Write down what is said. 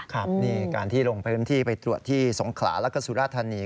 ครับนี่การที่ลงพื้นที่ไปตรวจที่สงขลาแล้วก็สุราธานี